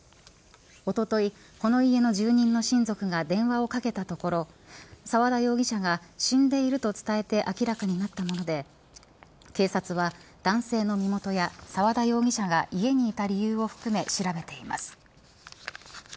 おととい、この家の住人の親族が電話をかけたところ沢田容疑者が死んでいると伝えて明らかになったもので警察は男性の身元や沢田容疑者が家にいた理由を含め調べています。